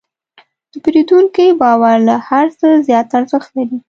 د پیرودونکي باور له هر څه زیات ارزښت لري.